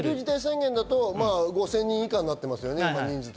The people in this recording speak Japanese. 緊急事態だと５０００人以下になってますね。